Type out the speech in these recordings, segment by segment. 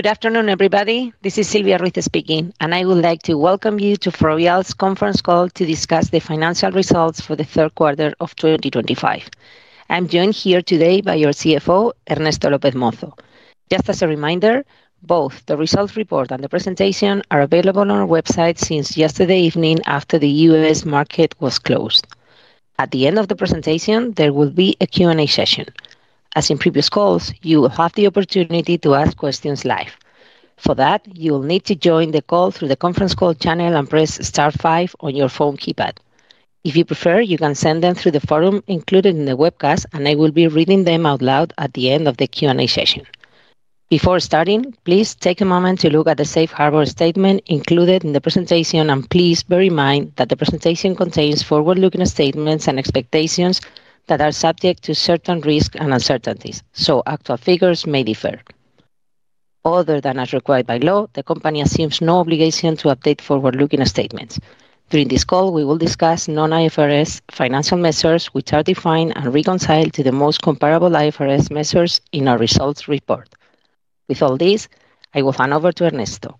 Good afternoon, everybody. This is Silvia Ruiz speaking, and I would like to welcome you to Ferrovial's conference call to discuss the financial results for the third quarter of 2025. I'm joined here today by our CFO, Ernesto López Mozo. Just as a reminder, both the results report and the presentation are available on our website since yesterday evening after the U.S. market was closed. At the end of the presentation, there will be a Q&A session. As in previous calls, you will have the opportunity to ask questions live. For that, you will need to join the call through the conference call channel and press star five on your phone keypad. If you prefer, you can send them through the forum included in the webcast, and I will be reading them out loud at the end of the Q&A session. Before starting, please take a moment to look at the safe harbor statement included in the presentation, and please bear in mind that the presentation contains forward-looking statements and expectations that are subject to certain risks and uncertainties, so actual figures may differ. Other than as required by law, the company assumes no obligation to update forward-looking statements. During this call, we will discuss non-IFRS financial measures which are defined and reconciled to the most comparable IFRS measures in our results report. With all this, I will hand over to Ernesto.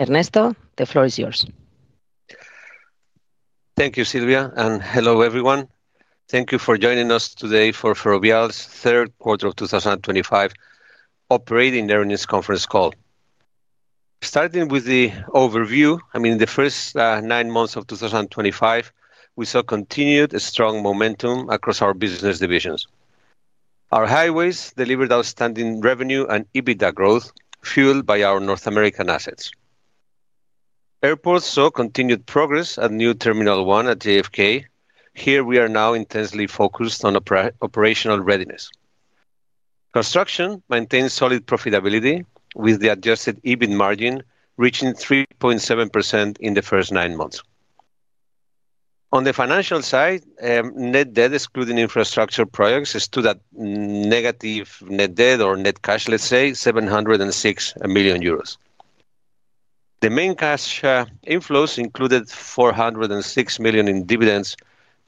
Ernesto, the floor is yours. Thank you, Silvia, and hello everyone. Thank you for joining us today for Ferrovial's third quarter of 2025 operating earnings conference call. Starting with the overview, in the first nine months of 2025, we saw continued strong momentum across our business divisions. Our Highways delivered outstanding revenue and EBITDA growth, fueled by our North American assets. Airports saw continued progress at New Terminal One at JFK. Here we are now intensely focused on operational readiness. Construction maintains solid profitability with the adjusted EBIT margin reaching 3.7% in the first nine months. On the financial side, net debt, excluding infrastructure projects, stood at negative net debt or net cash, let's say, 706 million euros. The main cash inflows included 406 million in dividends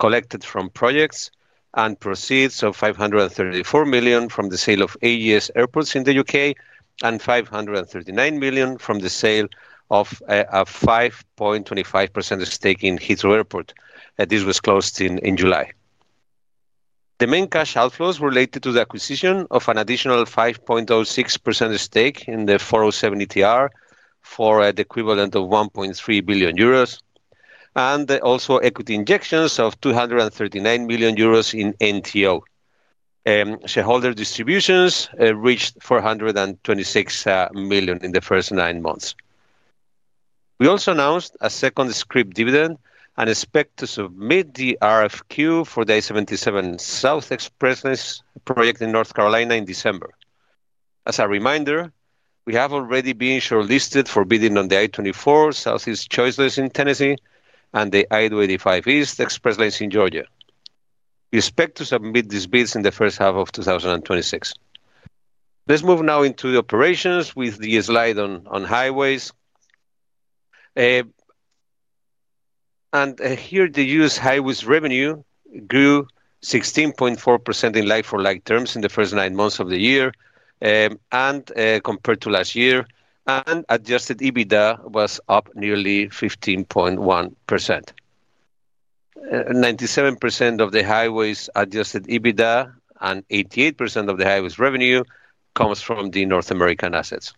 collected from projects and proceeds, 534 million from the sale of AGS Airports in the U.K., and 539 million from the sale of a 5.25% stake in Heathrow Airport. This was closed in July. The main cash outflows were related to the acquisition of an additional 5.06% stake in the 407 ETR for the equivalent of 1.3 billion euros and also equity injections of 239 million euros in NTO. Shareholder distributions reached 426 million in the first nine months. We also announced a second scrip dividend and expect to submit the RFQ for the I-77 South Expressway project in North Carolina in December. As a reminder, we have already been shortlisted for bidding on the I-24 Southeast Choice Lanes in Tennessee and the I-25 East Express Lanes in Georgia. We expect to submit these bids in the first half of 2026. Let's move now into the operations with the slide on Highways. Here, the U.S. Highways revenue grew 16.4% in like-for-like terms in the first nine months of the year compared to last year, and adjusted EBITDA was up nearly 15.1%. 97% of the Highways' adjusted EBITDA and 88% of the Highways' revenue comes from the North American assets.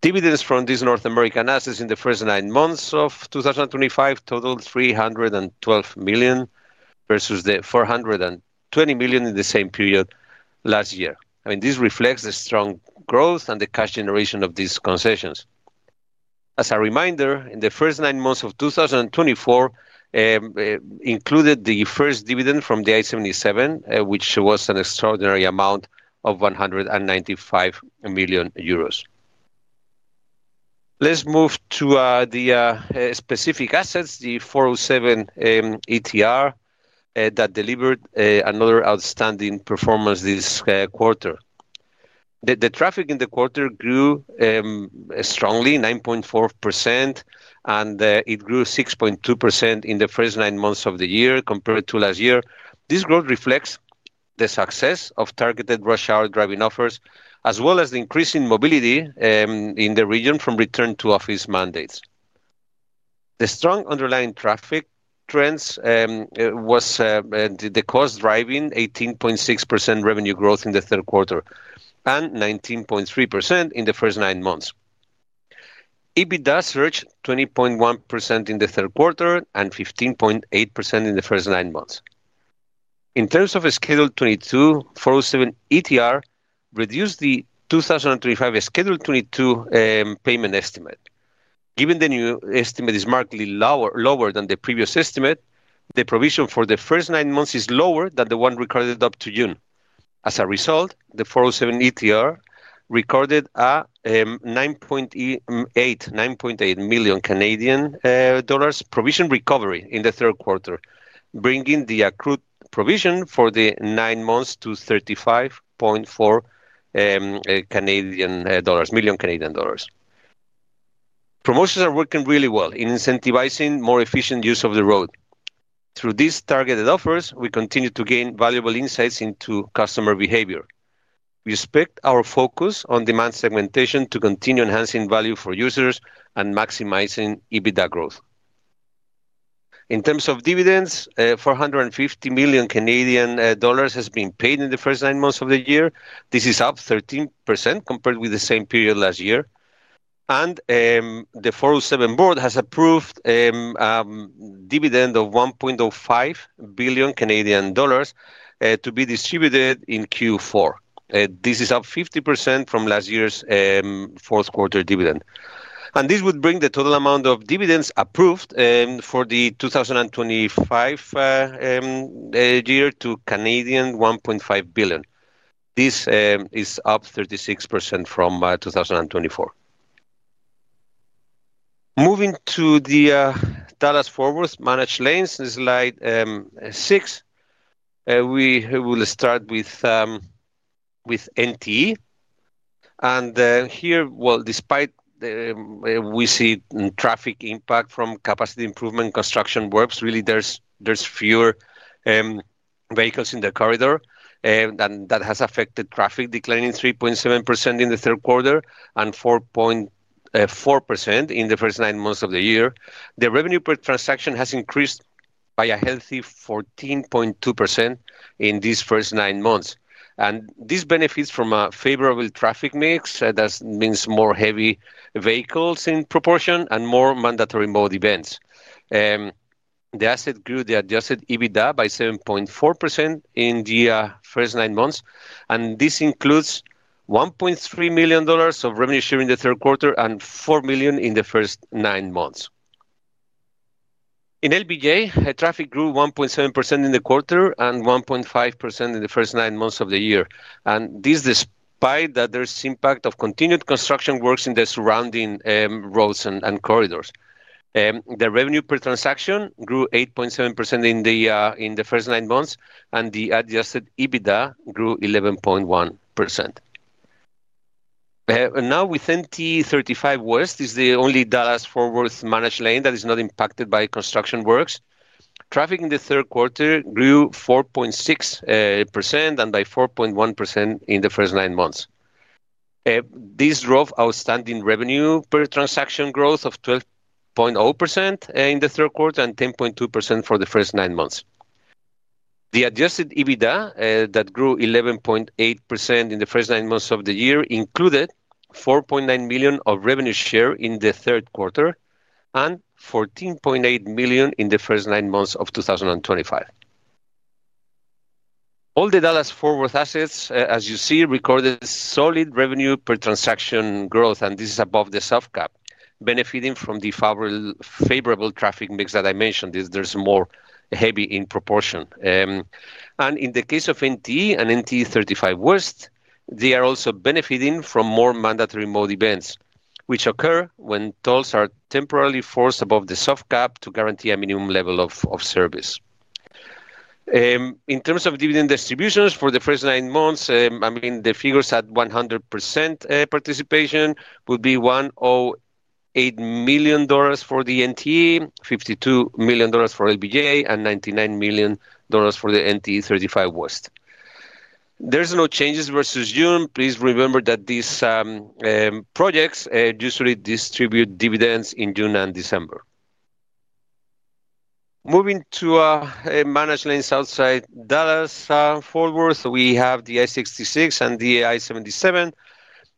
Dividends from these North American assets in the first nine months of 2025 totaled 312 million versus the 420 million in the same period last year. This reflects the strong growth and the cash generation of these concessions. As a reminder, the first nine months of 2024 included the first dividend from the I-77, which was an extraordinary amount of 195 million euros. Let's move to the specific assets, the 407 ETR that delivered another outstanding performance this quarter. The traffic in the quarter grew strongly, 9.4%, and it grew 6.2% in the first nine months of the year compared to last year. This growth reflects the success of targeted rush hour driving offers, as well as the increase in mobility in the region from return to office mandates. The strong underlying traffic trends was the cost driving 18.6% revenue growth in the third quarter and 19.3% in the first nine months. EBITDA surged 20.1% in the third quarter and 15.8% in the first nine months. In terms of a Schedule 22 407 ETR, reduce the 2025 Schedule 22 payment estimate. Given the new estimate is markedly lower than the previous estimate, the provision for the first nine months is lower than the one recorded up to June. As a result, the 407 ETR recorded a 9.8 million Canadian dollars provision recovery in the third quarter, bringing the accrued provision for the nine months to 35.4 million Canadian dollars. Promotions are working really well in incentivizing more efficient use of the road. Through these targeted offers, we continue to gain valuable insights into customer behavior. We expect our focus on demand segmentation to continue enhancing value for users and maximizing EBITDA growth. In terms of dividends, 450 million Canadian dollars has been paid in the first nine months of the year. This is up 13% compared with the same period last year. The 407 board has approved a dividend of 1.05 billion Canadian dollars to be distributed in Q4. This is up 50% from last year's fourth quarter dividend. This would bring the total amount of dividends approved for the 2025 year to 1.5 billion. This is up 36% from 2024. Moving to the Dallas-Fort Worth Managed Lanes in Slide six, we will start with NTE. Here, despite we see traffic impact from capacity improvement construction works, really there's fewer vehicles in the corridor, and that has affected traffic declining 3.7% in the third quarter and 4.4% in the first nine months of the year. The revenue per transaction has increased by a healthy 14.2% in these first nine months. This benefits from a favorable traffic mix. That means more heavy vehicles in proportion and more mandatory mode events. The asset grew the adjusted EBITDA by 7.4% in the first nine months, and this includes $1.3 million of revenue share in the third quarter and $4 million in the first nine months. In LBJ, traffic grew 1.7% in the quarter and 1.5% in the first nine months of the year. This is despite that there's impact of continued construction works in the surrounding roads and corridors. The revenue per transaction grew 8.7% in the first nine months, and the adjusted EBITDA grew 11.1%. Now, within NTE 35 West is the only Dallas-Fort Worth Managed Lane that is not impacted by construction works. Traffic in the third quarter grew 4.6% and by 4.1% in the first nine months. This drove outstanding revenue per transaction growth of 12.0% in the third quarter and 10.2% for the first nine months. The adjusted EBITDA that grew 11.8% in the first nine months of the year included $4.9 million of revenue share in the third quarter and $14.8 million in the first nine months of 2023. All the Dallas-Fort Worth assets, as you see, recorded solid revenue per transaction growth, and this is above the soft cap, benefiting from the favorable traffic mix that I mentioned. There's more heavy in proportion. In the case of NTE and NTE 35 West, they are also benefiting from more mandatory mode events, which occur when tolls are temporarily forced above the soft cap to guarantee a minimum level of service. In terms of dividend distributions for the first nine months, the figures at 100% participation would be $1.8 million for the NTE, $52 million for LBJ, and $99 million for the NTE 35 West. There are no changes versus June. Please remember that these projects usually distribute dividends in June and December. Moving to managed lanes outside Dallas-Fort Worth, we have the I-66 and the I-77.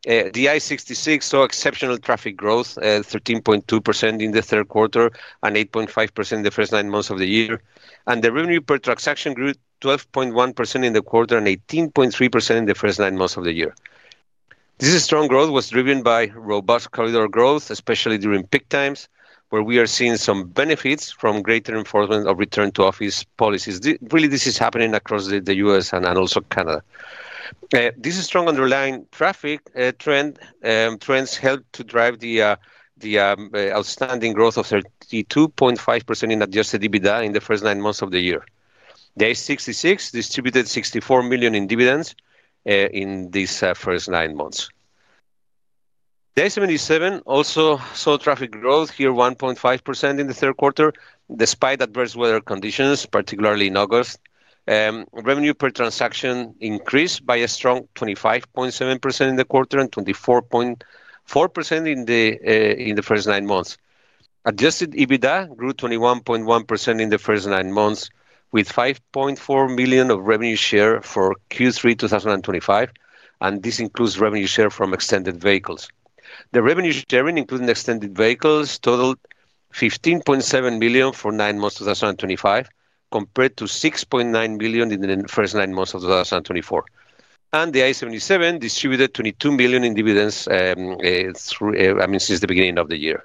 The I-66 saw exceptional traffic growth, 13.2% in the third quarter and 8.5% in the first nine months of the year. The revenue per transaction grew 12.1% in the quarter and 18.3% in the first nine months of the year. This strong growth was driven by robust corridor growth, especially during peak times where we are seeing some benefits from greater enforcement of return to office policies. Really, this is happening across the U.S. and also Canada. This is a strong underlying traffic trend. Trends help to drive the outstanding growth of 32.5% in adjusted EBITDA in the first nine months of the year. The I-66 distributed $64 million in dividends in these first nine months. The I-77 also saw traffic growth here, 1.5% in the third quarter, despite adverse weather conditions, particularly in August. Revenue per transaction increased by a strong 25.7% in the quarter and 24.4% in the first nine months. Adjusted EBITDA grew 21.1% in the first nine months with $5.4 million of revenue share for Q3 2025, and this includes revenue share from extended vehicles. The revenue sharing including extended vehicles totaled $15.7 million for nine months of 2025, compared to $6.9 million in the first nine months of 2024. The I-77 distributed $22 million in dividends since the beginning of the year.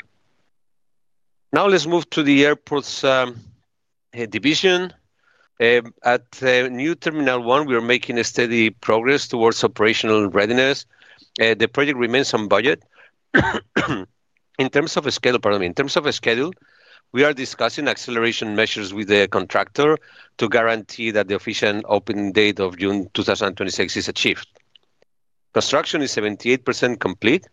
Now let's move to the Airports division. At New Terminal One, we are making steady progress towards operational readiness. The project remains on budget. In terms of schedule, we are discussing acceleration measures with the contractor to guarantee that the official opening date of June 2026 is achieved. Construction is 78% complete,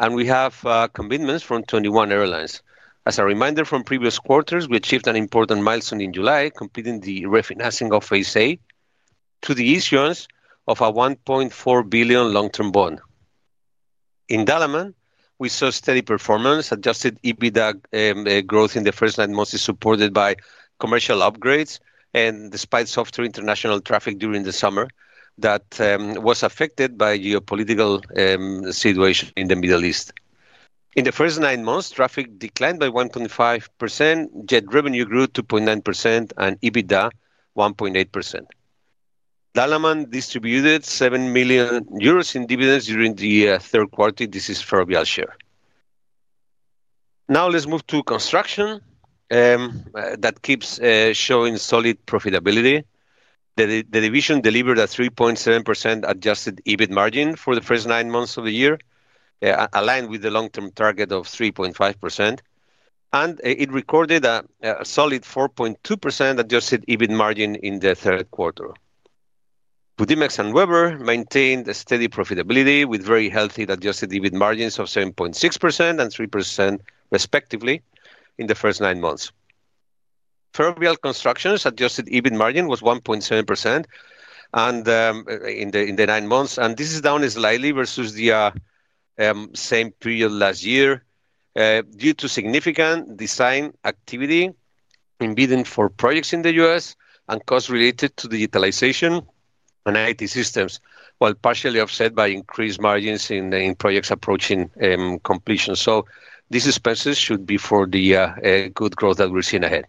and we have commitments from 21 airlines. As a reminder from previous quarters, we achieved an important milestone in July, completing the refinancing of Phase A through the issuance of a $1.4 billion long-term bond. In Dallas-Fort Worth, we saw steady performance. Adjusted EBITDA growth in the first nine months is supported by commercial upgrades, despite softer international traffic during the summer that was affected by the geopolitical situation in the Middle East. In the first nine months, traffic declined by 1.5%, jet revenue grew 2.9%, and EBITDA 1.8%. Dallas-Fort Worth distributed €7 million in dividends during the third quarter. This is Ferrovial's share. Now let's move to Construction that keeps showing solid profitability. The division delivered a 3.7% adjusted EBIT margin for the first nine months of the year, aligned with the long-term target of 3.5%, and it recorded a solid 4.2% adjusted EBIT margin in the third quarter. Budimex and Webber maintained steady profitability with very healthy adjusted EBIT margins of 7.6% and 3% respectively in the first nine months. Ferrovial Construction's adjusted EBIT margin was 1.7% in the nine months, and this is down slightly versus the same period last year due to significant design activity in bidding for projects in the U.S. and costs related to digitalization and IT systems, while partially offset by increased margins in projects approaching completion. These expenses should be for the good growth that we're seeing ahead.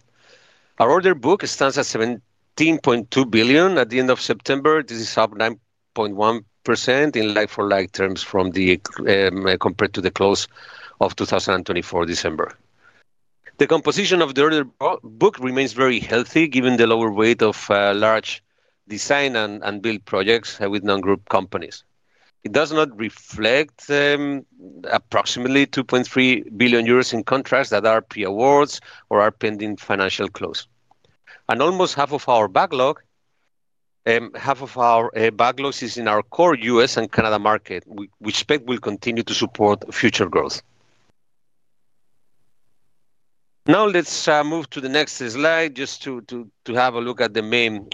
Our order book stands at $17.2 billion at the end of September. This is up 9.1% in like-for-like terms compared to the close of December 2024. The composition of the order book remains very healthy given the lower weight of large design and build projects with non-group companies. It does not reflect approximately 2.3 billion euros in contracts that are pre-awards or are pending financial close. Almost half of our backlog is in our core U.S. and Canada market, which we expect will continue to support future growth. Now let's move to the next slide just to have a look at the main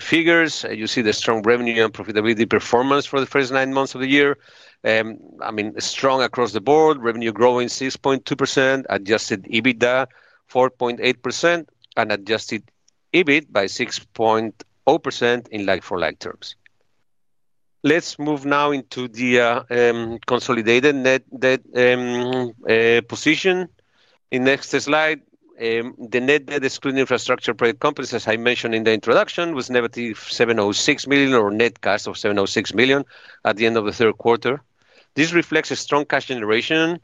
figures. You see the strong revenue and profitability performance for the first nine months of the year. I mean, strong across the board. Revenue growing 6.2%, adjusted EBITDA 4.8%, and adjusted EBIT by 6.0% in like-for-like terms. Let's move now into the consolidated net debt position. In the next slide, the net debt, screened infrastructure project companies, as I mentioned in the introduction, was negative 706 million or net cash of 706 million at the end of the third quarter. This reflects strong cash generation,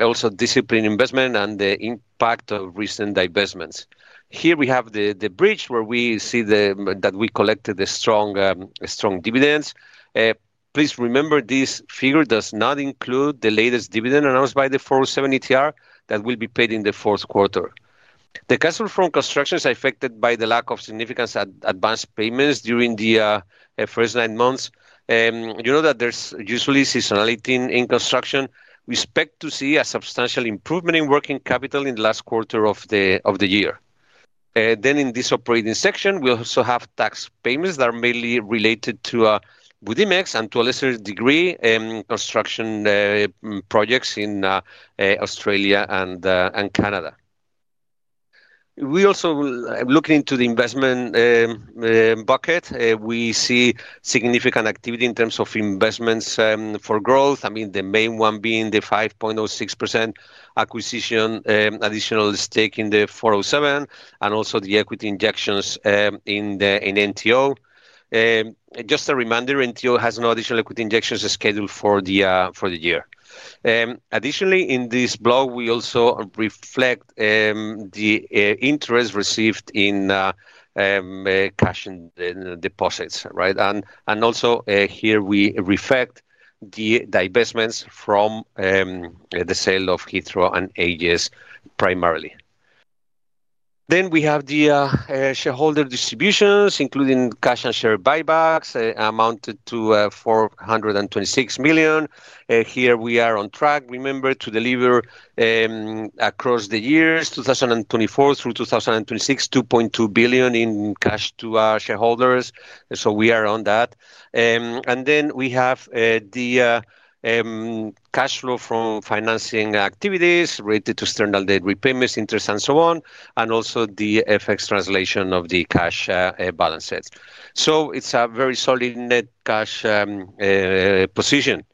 also disciplined investment, and the impact of recent divestments. Here we have the bridge where we see that we collected strong dividends. Please remember this figure does not include the latest dividend announced by the 407 ETR that will be paid in the fourth quarter. The cash flow from construction is affected by the lack of significant advanced payments during the first nine months. You know that there's usually seasonality in construction. We expect to see a substantial improvement in working capital in the last quarter of the year. In this operating section, we also have tax payments that are mainly related to Budimex and to a lesser degree construction projects in Australia and Canada. We also look into the investment bucket. We see significant activity in terms of investments for growth. The main one being the 5.06% acquisition, additional stake in the 407, and also the equity injections in NTO. Just a reminder, NTO has no additional equity injections scheduled for the year. Additionally, in this block, we also reflect the interest received in cash and deposits, right? Also here we reflect the divestments from the sale of Heathrow and AGS Airports primarily. We have the shareholder distributions, including cash and share buybacks, amounted to 426 million. We are on track. Remember to deliver across the years 2024 through 2026, 2.2 billion in cash to our shareholders. We are on that. We have the cash flow from financing activities related to external debt repayments, interest, and so on, and also the FX translation of the cash balances. It's a very solid net cash position.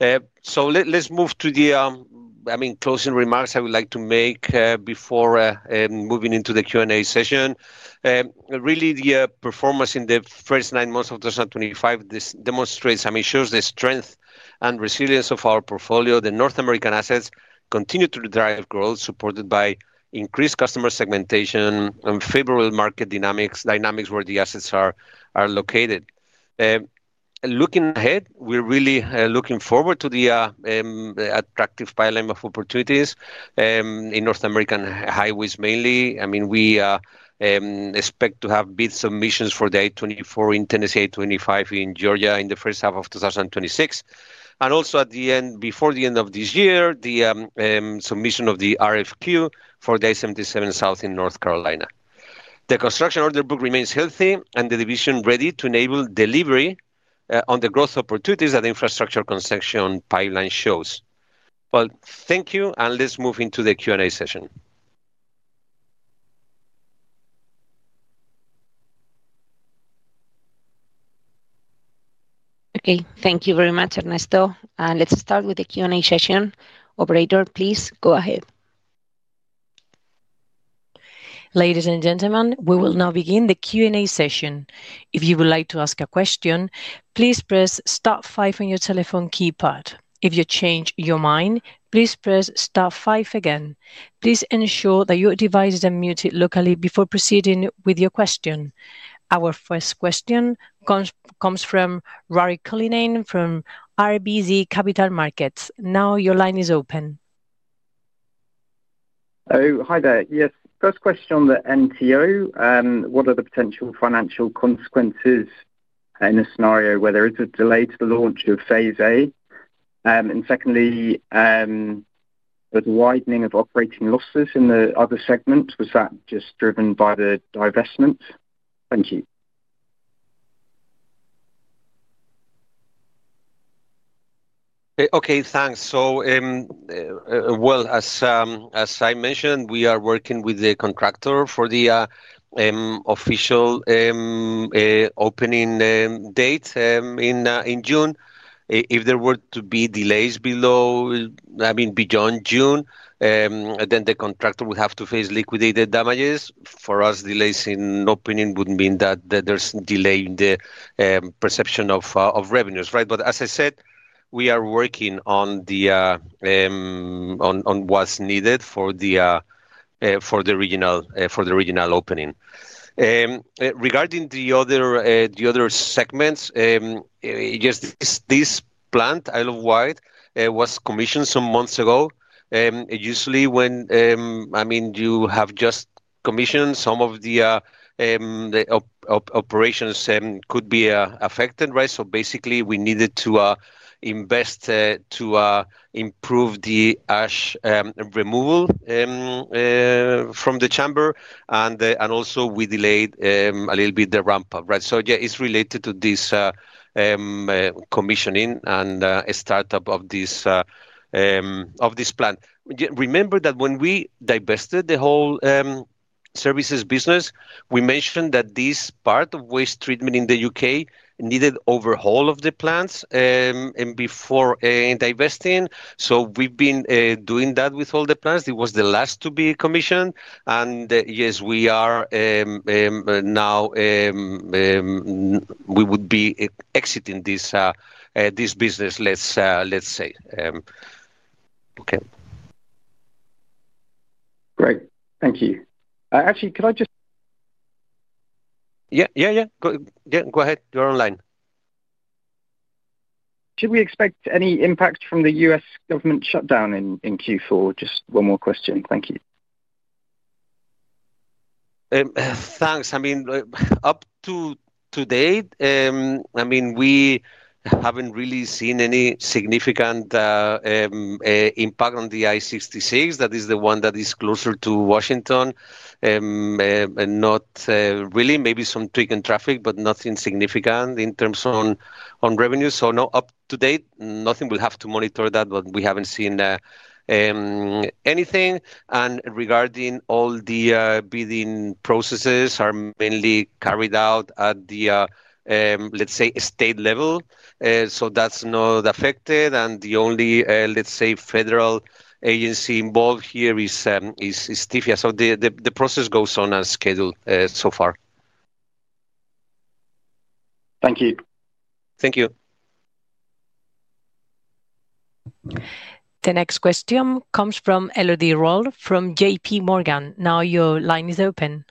Let's move to the closing remarks I would like to make before moving into the Q&A session. Really, the performance in the first nine months of 2025 demonstrates, I mean, shows the strength and resilience of our portfolio. The North American assets continue to drive growth, supported by increased customer segmentation and favorable market dynamics where the assets are located. Looking ahead, we're really looking forward to the attractive pipeline of opportunities in North American highways mainly. I mean, we expect to have bid submissions for the I-24 in Tennessee, I-25 in Georgia in the first half of 2026, and also at the end, before the end of this year, the submission of the RFQ for the I-77 South in North Carolina. The construction order book remains healthy and the division ready to enable delivery on the growth opportunities that the infrastructure consumption pipeline shows. Thank you, and let's move into the Q&A session. Okay. Thank you very much, Ernesto. Let's start with the Q&A session. Operator, please go ahead. Ladies and gentlemen, we will now begin the Q&A session. If you would like to ask a question, please press star five on your telephone keypad. If you change your mind, please press star five again. Please ensure that your device is unmuted locally before proceeding with your question. Our first question comes from Barry Cullinane from RBC Capital Markets. Now your line is open. Oh, hi there. Yes. First question on the New Terminal One. What are the potential financial consequences in a scenario where there is a delay to the launch of phase A? Secondly, there's a widening of operating losses in the other segments. Was that just driven by the divestment? Thank you. Okay. Thanks. As I mentioned, we are working with the contractor for the official opening date in June. If there were to be delays beyond June, then the contractor would have to face liquidated damages. For us, delays in opening would mean that there's a delay in the perception of revenues, right? As I said, we are working on what's needed for the regional opening. Regarding the other segments, yes, this plant, I Love White, was commissioned some months ago. Usually, when you have just commissioned, some of the operations could be affected, right? Basically, we needed to invest to improve the ash removal from the chamber, and also we delayed a little bit the ramp-up, right? It's related to this commissioning and startup of this plant. Remember that when we divested the whole services business, we mentioned that this part of waste treatment in the U.K. needed overhaul of the plants before divesting. We've been doing that with all the plants. It was the last to be commissioned. Yes, we are now, we would be exiting this business, let's say. Okay. Great, thank you. Actually, could I just. Yeah, go ahead. You're online. Should we expect any impact from the U.S. government shutdown in Q4? Just one more question. Thank you. Thanks. Up to date, we haven't really seen any significant impact on the I-66. That is the one that is closer to Washington. Not really. Maybe some tweak in traffic, but nothing significant in terms of revenue. No, up to date, nothing. We'll have to monitor that, but we haven't seen anything. Regarding all the bidding processes, they are mainly carried out at the state level. That's not affected. The only federal agency involved here is. The process goes on as scheduled so far. Thank you. Thank you. The next question comes from Elodie Rall from JPMorgan. Now your line is open.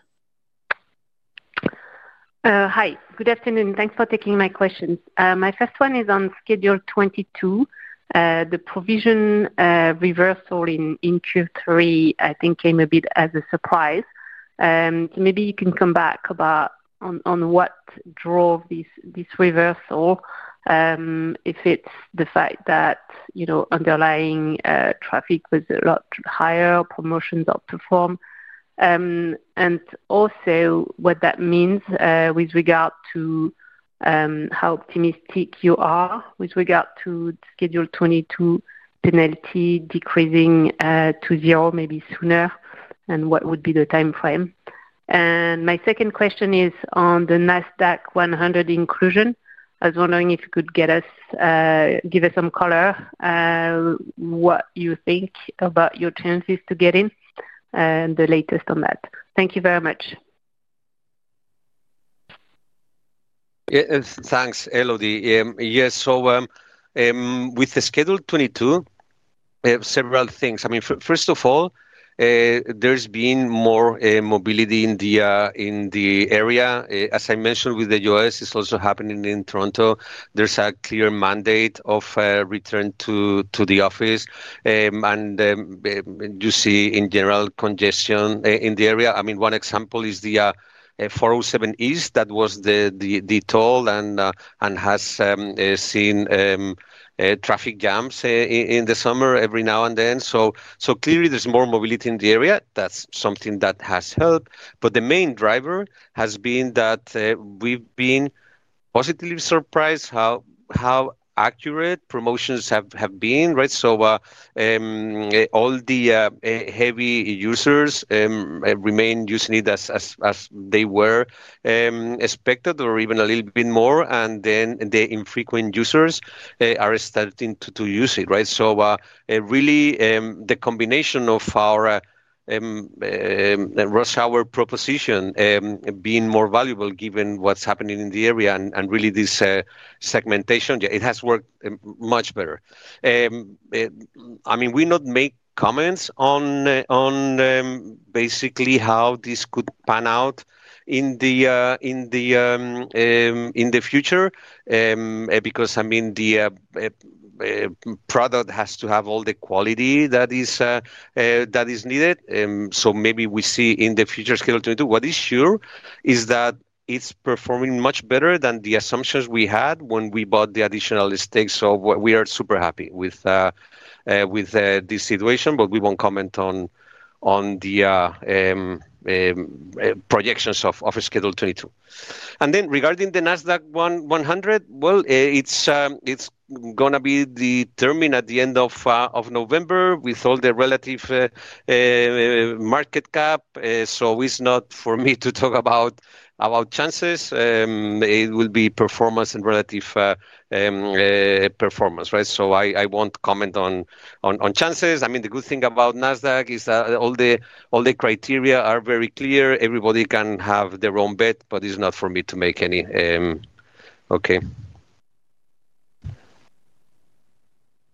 Hi. Good afternoon. Thanks for taking my questions. My first one is on Schedule 22. The provision reversal in Q3, I think, came a bit as a surprise. Maybe you can come back about on what drove this reversal, if it's the fact that, you know, underlying traffic was a lot higher, promotions outperformed, and also what that means with regard to how optimistic you are with regard to Schedule 22 penalty decreasing to zero maybe sooner and what would be the timeframe. My second question is on the Nasdaq-100 inclusion. I was wondering if you could give us some color on what you think about your chances to get in and the latest on that. Thank you very much. Thanks, Elodie. Yes. With the Schedule 22, several things. First of all, there's been more mobility in the area. As I mentioned with the U.S., it's also happening in Toronto. There's a clear mandate of return to the office, and you see, in general, congestion in the area. One example is the 407 ETR East that was the toll and has seen traffic jams in the summer every now and then. Clearly, there's more mobility in the area. That's something that has helped. The main driver has been that we've been positively surprised how accurate promotions have been, right? All the heavy users remain using it as they were expected or even a little bit more, and then the infrequent users are starting to use it, right? The combination of our rush hour proposition being more valuable given what's happening in the area and really this segmentation, it has worked much better. We do not make comments on basically how this could pan out in the future because the product has to have all the quality that is needed. Maybe we see in the future Schedule 22. What is sure is that it's performing much better than the assumptions we had when we bought the additional stakes. We are super happy with this situation, but we won't comment on the projections of Schedule 22. Regarding the Nasdaq-100, it's going to be determined at the end of November with all the relative market cap. It's not for me to talk about chances. It will be performance and relative performance, right? I won't comment on chances. The good thing about NASDAQ is that all the criteria are very clear. Everybody can have their own bet, but it's not for me to make any. Okay.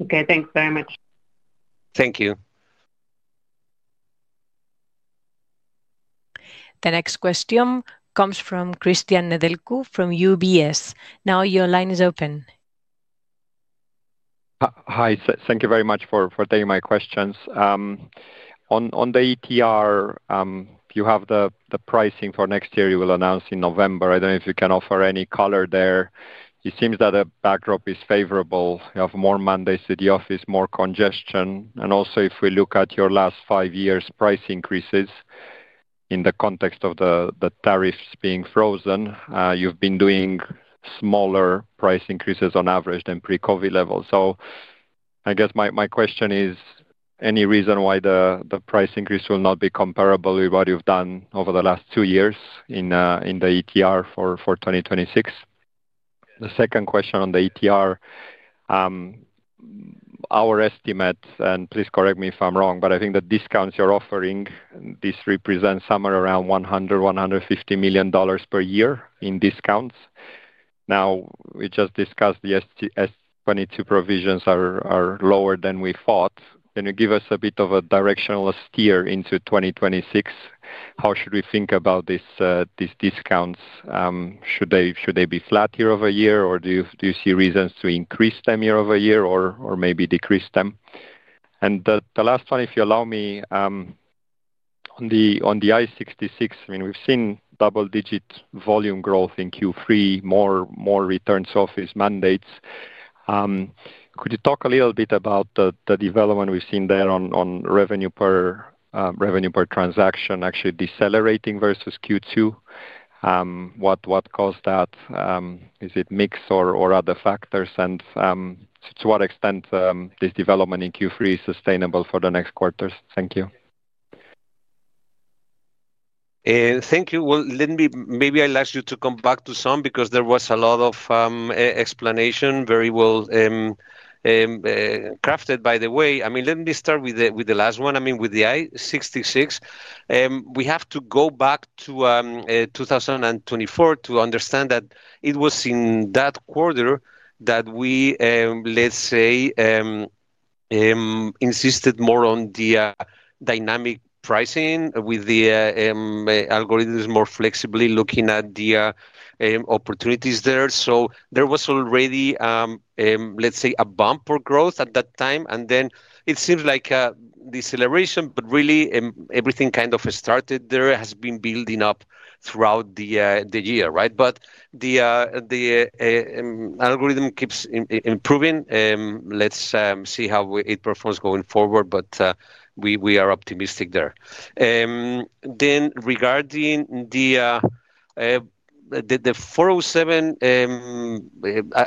Okay, thanks very much. Thank you. The next question comes from Cristian Nedelcu from UBS. Now your line is open. Hi. Thank you very much for taking my questions. On the 407 ETR, you have the pricing for next year you will announce in November. I don't know if you can offer any color there. It seems that the backdrop is favorable. You have more mandates to the office, more congestion. If we look at your last five years' price increases in the context of the tariffs being frozen, you've been doing smaller price increases on average than pre-COVID levels. I guess my question is, any reason why the price increase will not be comparable with what you've done over the last two years in the 407 ETR for 2026? The second question on the 407 ETR, our estimates, and please correct me if I'm wrong, but I think the discounts you're offering, this represents somewhere around $100 million, $150 million per year in discounts. We just discussed the Schedule 22 provision reversals are lower than we thought. Can you give us a bit of a directional steer into 2026? How should we think about these discounts? Should they be flat year-over-year, or do you see reasons to increase them year-over-year or maybe decrease them? The last one, if you allow me, on the I-66, we've seen double-digit volume growth in Q3, more returns to office mandates. Could you talk a little bit about the development we've seen there on revenue per transaction actually decelerating versus Q2? What caused that? Is it mix or other factors? To what extent is this development in Q3 sustainable for the next quarters? Thank you. Thank you. Let me ask you to come back to some because there was a lot of explanation, very well crafted by the way. Let me start with the last one. With the I-66, we have to go back to 2024 to understand that it was in that quarter that we, let's say, insisted more on the dynamic pricing with the algorithms, more flexibly looking at the opportunities there. There was already, let's say, a bump or growth at that time. It seems like a deceleration, but really, everything kind of started there and has been building up throughout the year, right? The algorithm keeps improving. Let's see how it performs going forward, but we are optimistic there. Regarding the 407,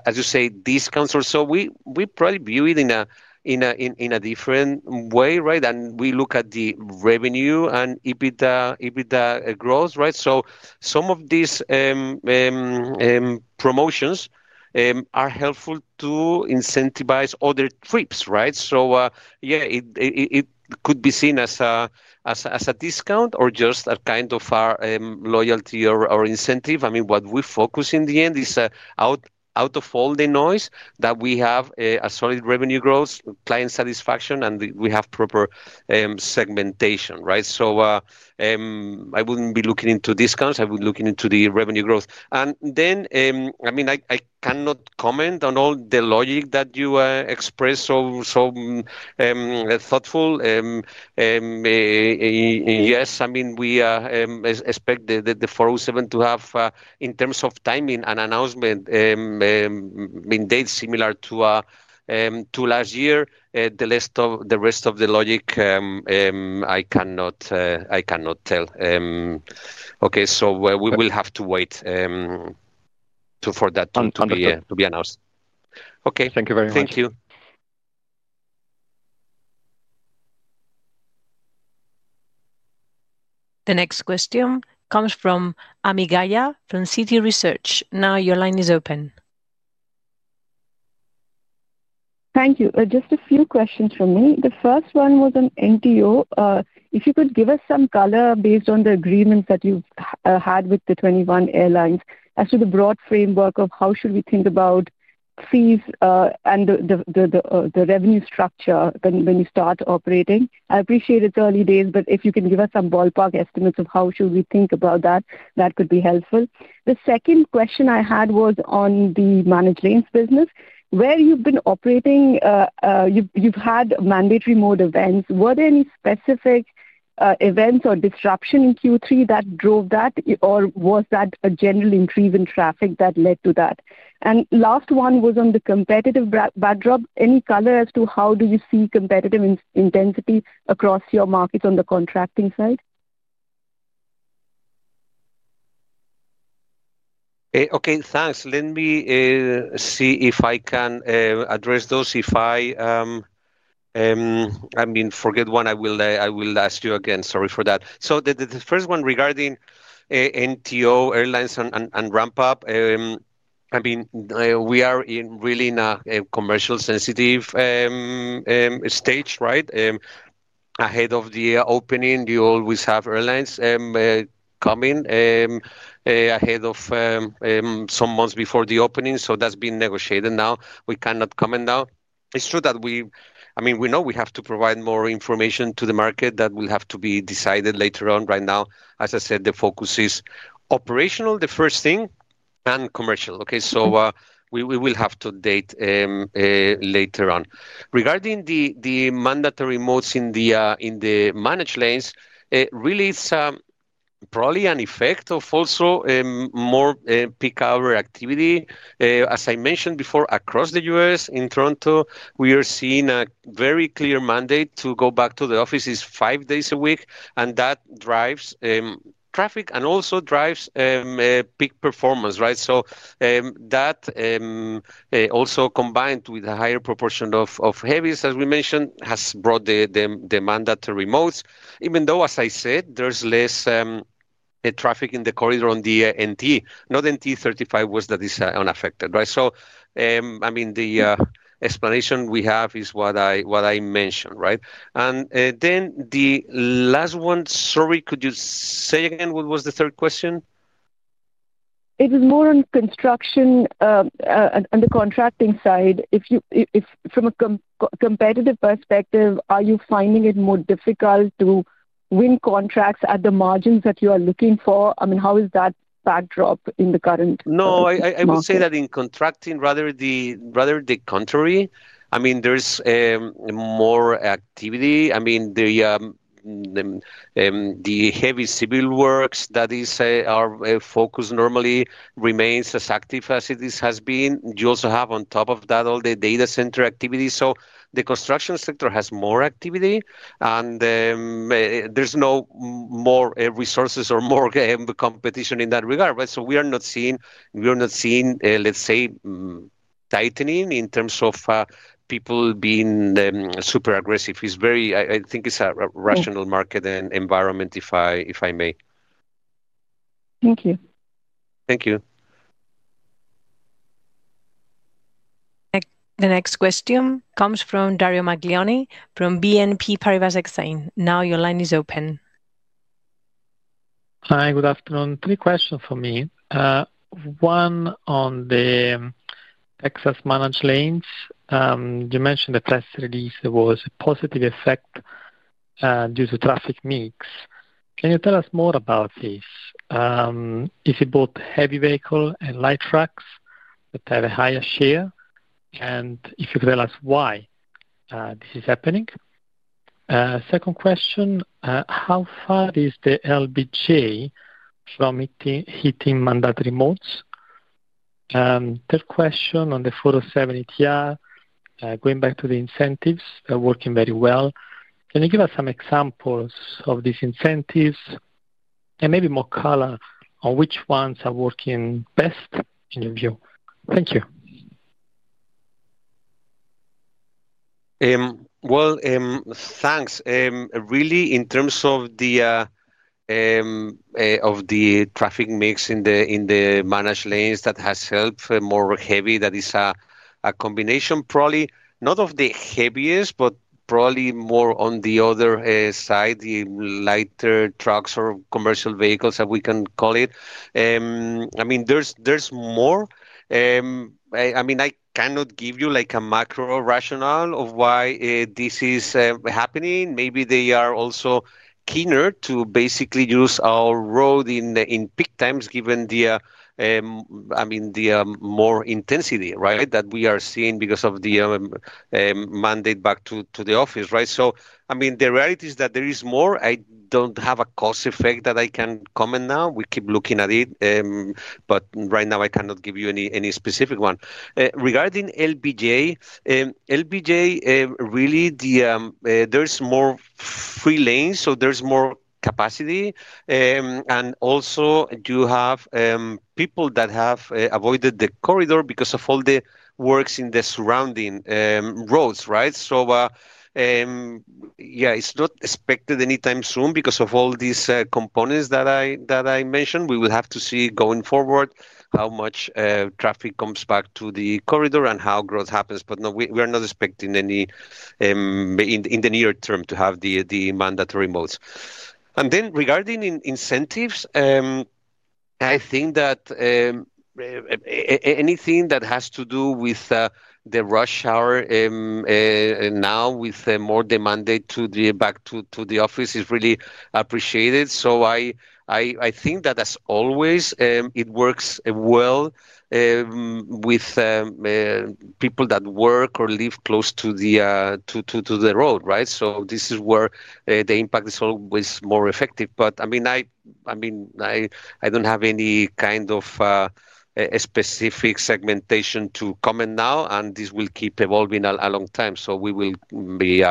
as you say, discounts or so, we probably view it in a different way, right? We look at the revenue and EBITDA growth, right? Some of these promotions are helpful to incentivize other trips, right? It could be seen as a discount or just a kind of loyalty or incentive. What we focus in the end is out of all the noise that we have a solid revenue growth, client satisfaction, and we have proper segmentation, right? I wouldn't be looking into discounts. I would be looking into the revenue growth. I cannot comment on all the logic that you expressed so thoughtfully. Yes, we expect the 407 to have, in terms of timing and announcement, dates similar to last year. The rest of the logic, I cannot tell. We will have to wait for that to be announced. Thank you very much. Thank you. The next question comes from [Amigaya] from Citi Research. Now your line is open. Thank you. Just a few questions from me. The first one was on New Terminal One. If you could give us some color based on the agreements that you've had with the 21 airlines as to the broad framework of how should we think about fees and the revenue structure when you start operating. I appreciate it's early days, but if you can give us some ballpark estimates of how should we think about that, that could be helpful. The second question I had was on the managed lanes business. Where you've been operating, you've had mandatory mode events. Were there any specific events or disruption in Q3 that drove that, or was that a general improvement in traffic that led to that? The last one was on the competitive backdrop. Any color as to how do you see competitive intensity across your markets on the contracting side? Okay. Thanks. Let me see if I can address those. If I forget one, I will ask you again. Sorry for that. The first one regarding New Terminal One, airlines, and ramp-up. We are really in a commercially sensitive stage, right? Ahead of the opening, you always have airlines coming ahead some months before the opening. That is being negotiated now. We cannot comment now. It is true that we know we have to provide more information to the market that will have to be decided later on. Right now, as I said, the focus is operational, the first thing, and commercial, okay? We will have to update later on. Regarding the mandatory modes in the managed lanes, really, it is probably an effect of also more peak-hour activity. As I mentioned before, across the U.S., in Toronto, we are seeing a very clear mandate to go back to the offices five days a week, and that drives traffic and also drives peak performance, right? That also, combined with a higher proportion of heavies, as we mentioned, has brought the mandatory modes, even though, as I said, there is less traffic in the corridor on the NTE, not NTE 35 West that is unaffected, right? The explanation we have is what I mentioned, right? The last one, sorry, could you say again what was the third question? It was more on construction and the contracting side. If you, from a competitive perspective, are you finding it more difficult to win contracts at the margins that you are looking for? I mean, how is that backdrop in the current market? No, I would say that in contracting, rather the contrary. I mean, there's more activity. The heavy civil works that are focused normally remain as active as it has been. You also have, on top of that, all the data center activities. The construction sector has more activity, and there's no more resources or more competition in that regard, right? We are not seeing, let's say, tightening in terms of people being super aggressive. It's very, I think it's a rational market and environment, if I may. Thank you. Thank you. The next question comes from Dario Maggioni from BNP Paribas Exchange. Now your line is open. Hi. Good afternoon. Three questions for me. One on the Texas managed lanes. You mentioned the press release was a positive effect due to traffic mix. Can you tell us more about this? Is it both heavy vehicle and light trucks that have a higher share? If you could tell us why this is happening. Second question, how far is the LBJ from hitting mandatory modes? Third question on the 407 ETR, going back to the incentives, working very well. Can you give us some examples of these incentives? Maybe more color on which ones are working best in your view? Thank you. Thanks. Really, in terms of the traffic mix in the managed lanes, that has helped. More heavy, that is a combination. Probably not of the heaviest, but probably more on the other side, the lighter trucks or commercial vehicles, as we can call it. There's more. I cannot give you like a macro rationale of why this is happening. Maybe they are also keener to basically use our road in peak times given the more intensity, right, that we are seeing because of the mandate back to the office, right? The reality is that there is more. I don't have a cause effect that I can comment now. We keep looking at it, but right now, I cannot give you any specific one. Regarding LBJ, there's more free lanes, so there's more capacity. Also, you have people that have avoided the corridor because of all the works in the surrounding roads, right? It's not expected anytime soon because of all these components that I mentioned. We will have to see going forward how much traffic comes back to the corridor and how growth happens. We are not expecting any, in the near term, to have the mandatory modes. Regarding incentives, I think that anything that has to do with the rush hour now with more demand to the back to the office is really appreciated. I think that, as always, it works well with people that work or live close to the road, right? This is where the impact is always more effective. I don't have any kind of specific segmentation to comment now, and this will keep evolving a long time. We will be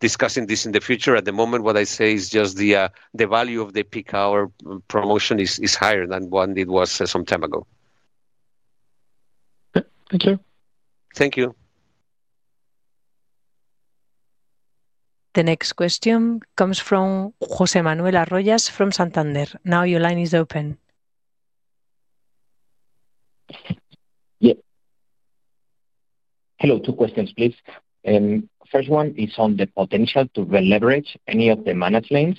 discussing this in the future. At the moment, what I say is just the value of the peak-hour promotion is higher than when it was some time ago. Thank you. Thank you. The next question comes from Jose Manuel Rogers from Santander. Now your line is open. Yes. Hello. Two questions, please. First one is on the potential to leverage any of the managed lanes.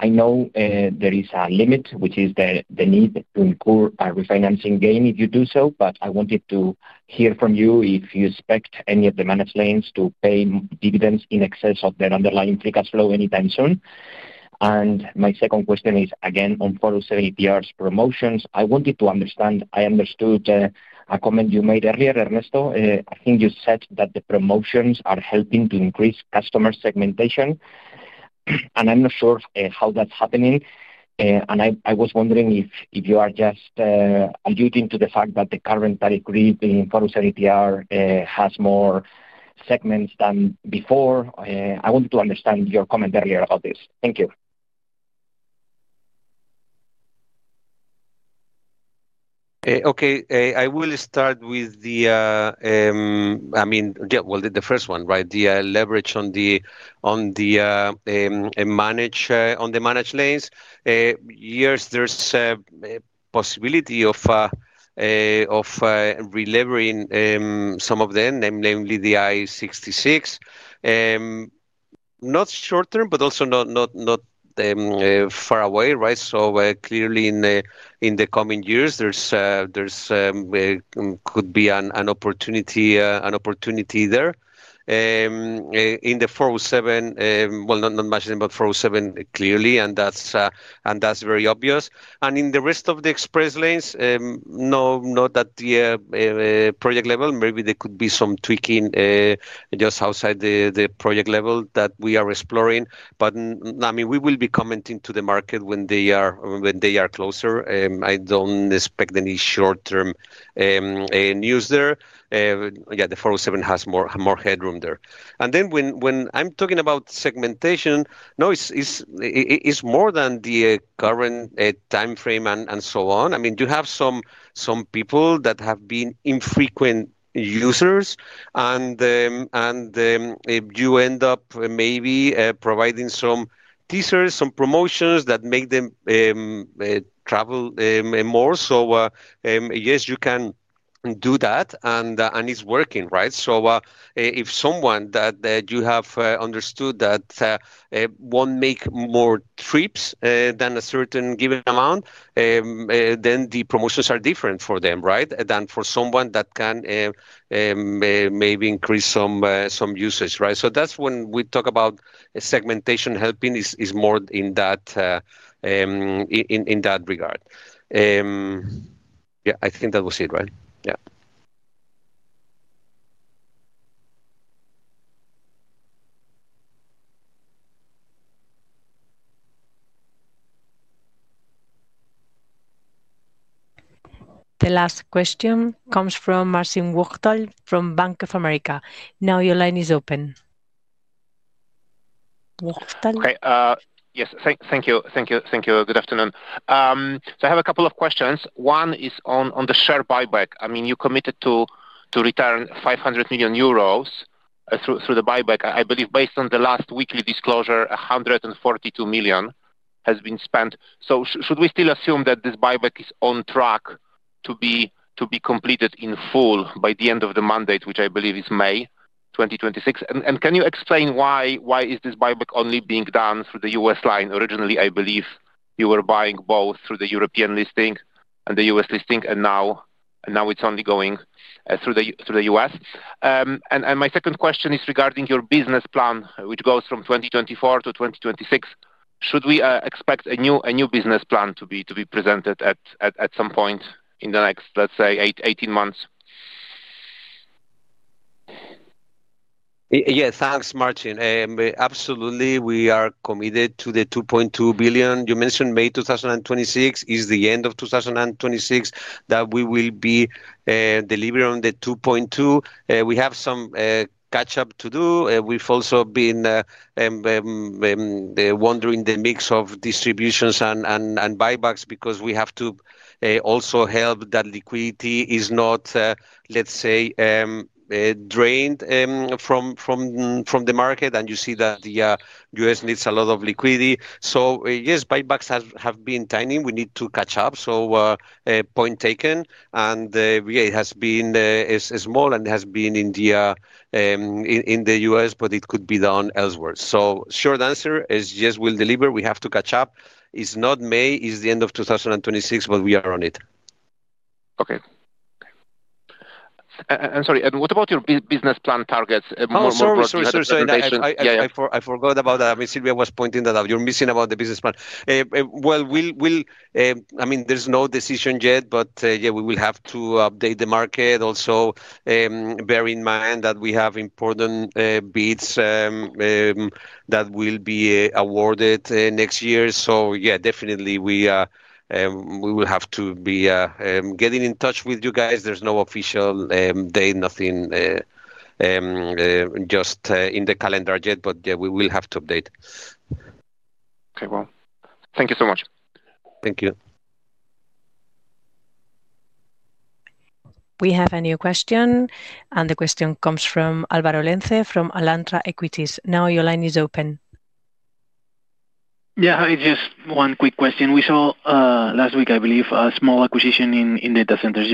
I know there is a limit, which is the need to incur a refinancing gain if you do so, but I wanted to hear from you if you expect any of the managed lanes to pay dividends in excess of their underlying free cash flow anytime soon. My second question is, again, on 407 ETR's promotions. I wanted to understand, I understood a comment you made earlier, Ernesto. I think you said that the promotions are helping to increase customer segmentation, and I'm not sure how that's happening. I was wondering if you are just alluding to the fact that the current tariff grid in 407 ETR has more segments than before. I wanted to understand your comment earlier about this. Thank you. Okay. I will start with the, I mean, yeah, the first one, right? The leverage on the managed lanes. Yes, there's a possibility of relevering some of them, namely the I-66. Not short term, but also not far away, right? Clearly, in the coming years, there could be an opportunity there. In the 407, not managed lanes, but 407 clearly, and that's very obvious. In the rest of the express lanes, not at the project level. Maybe there could be some tweaking just outside the project level that we are exploring. I mean, we will be commenting to the market when they are closer. I don't expect any short-term news there. The 407 has more headroom there. When I'm talking about segmentation, no, it's more than the current timeframe and so on. You have some people that have been infrequent users, and you end up maybe providing some teasers, some promotions that make them travel more. Yes, you can do that, and it's working, right? If someone that you have understood that won't make more trips than a certain given amount, then the promotions are different for them, right, than for someone that can maybe increase some usage, right? That's when we talk about segmentation helping, it's more in that regard. I think that was it, right? Yeah. The last question comes from Marcin Wojtal from Bank of America. Now your line is open. Wojtal? Yes. Thank you. Thank you. Good afternoon. I have a couple of questions. One is on the share buyback. I mean, you committed to return 500 million euros through the buyback. I believe, based on the last weekly disclosure, 142 million has been spent. Should we still assume that this buyback is on track to be completed in full by the end of the mandate, which I believe is May 2026? Can you explain why this buyback is only being done through the U.S. line? Originally, I believe you were buying both through the European listing and the U.S. listing, and now it's only going through the U.S. My second question is regarding your business plan, which goes from 2024 to 2026. Should we expect a new business plan to be presented at some point in the next, let's say, 18 months? Yeah. Thanks, Martin. Absolutely. We are committed to the 2.2 billion. You mentioned May 2026; it is the end of 2026 that we will be delivering on the 2.2 billion. We have some catch-up to do. We've also been wondering the mix of distributions and buybacks because we have to also help that liquidity is not, let's say, drained from the market. You see that the U.S. needs a lot of liquidity. Yes, buybacks have been tiny. We need to catch up. Point taken. It has been small and it has been in the U.S., but it could be done elsewhere. Short answer is yes, we'll deliver. We have to catch up. It's not May, it's the end of 2026, but we are on it. I'm sorry. What about your business plan targets? Sorry, I forgot about that. Silvia was pointing that out. You're missing about the business plan. There's no decision yet, but we will have to update the market. Also, bear in mind that we have important bids that will be awarded next year. We will have to be getting in touch with you guys. There's no official date, nothing, just in the calendar yet, but we will have to update. Thank you so much. Thank you. We have a new question, and the question comes from Álvaro Lenze from Alantra Equities. Now your line is open. Yeah. It's just one quick question. We saw last week, I believe, a small acquisition in data centers.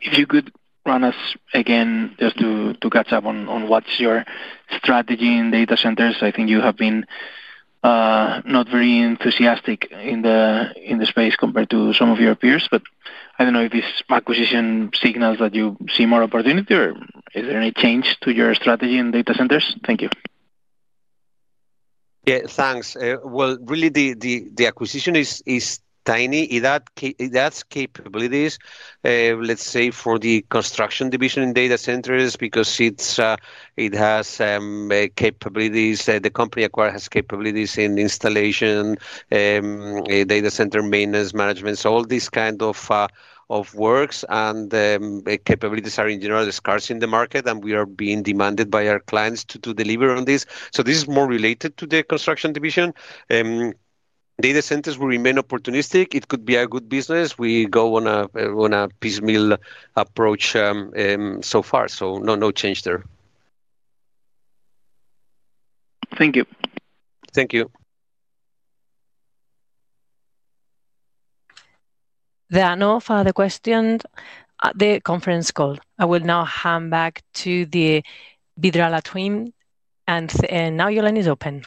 If you could run us again just to catch up on what's your strategy in data centers. I think you have been not very enthusiastic in the space compared to some of your peers, but I don't know if this acquisition signals that you see more opportunity or is there any change to your strategy in data centers? Thank you. Thank you. The acquisition is tiny. It adds capabilities, let's say, for the Construction division in data centers because it has capabilities. The company acquired has capabilities in installation, data center maintenance management. All these kinds of works and capabilities are, in general, scarce in the market, and we are being demanded by our clients to deliver on this. This is more related to the construction division. Data centers will remain opportunistic. It could be a good business. We go on a piecemeal approach so far. No change there. Thank you. Thank you. There are no further questions at the conference call. I will now hand back to the Ferrovial team, and now your line is open.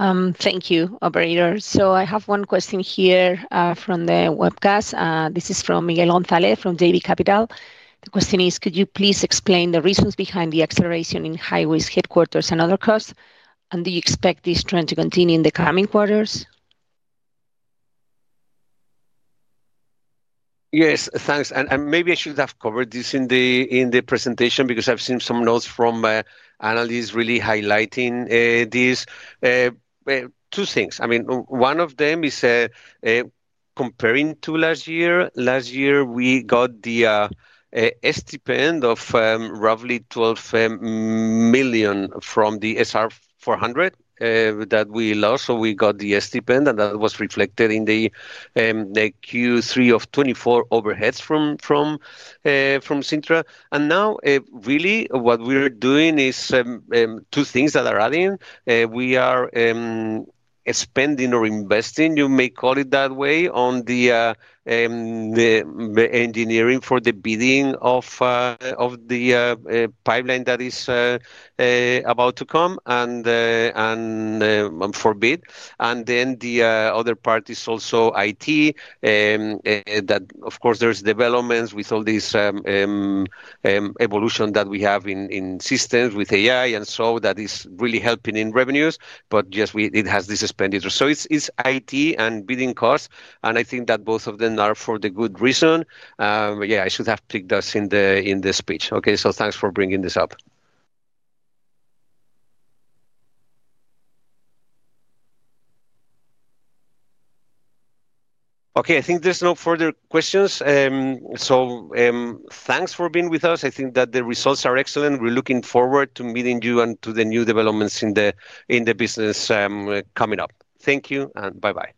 Thank you, operator. I have one question here from the webcast. This is from Miguel González from JB Capital. The question is, could you please explain the reasons behind the acceleration in Highways, headquarters, and other costs? Do you expect this trend to continue in the coming quarters? Yes. Thanks. Maybe I should have covered this in the presentation because I've seen some notes from analysts really highlighting this. Two things. One of them is comparing to last year. Last year, we got the stipend of roughly $12 million from the SR400 that we lost. We got the stipend, and that was reflected in the Q3 2024 overheads from Cintra. Now, really, what we're doing is two things that are adding. We are spending or investing, you may call it that way, on the engineering for the bidding of the pipeline that is about to come and for bid. The other part is also IT. Of course, there's developments with all this evolution that we have in systems with AI, and so that is really helping in revenues. Yes, it has this expenditure. It's IT and bidding costs. I think that both of them are for the good reason. I should have picked this in the speech. Thanks for bringing this up. I think there's no further questions. Thanks for being with us. I think that the results are excellent. We're looking forward to meeting you and to the new developments in the business coming up. Thank you and bye-bye.